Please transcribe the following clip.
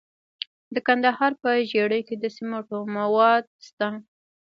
د کندهار په ژیړۍ کې د سمنټو مواد شته.